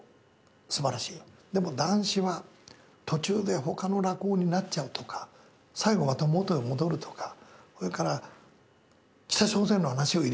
でも談志は途中で他の落語になっちゃうとか最後また元へ戻るとかそれから北朝鮮の話を入れちゃうとか。ね。